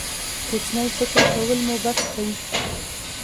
کوچنی فکر کول مو بس کړئ.